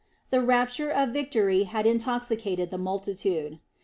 The rapture of victory had intoxicated the multitude.